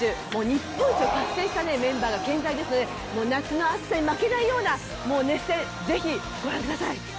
日本一を達成したメンバーが健在ですので夏の暑さに負けないような熱戦ぜひご覧ください。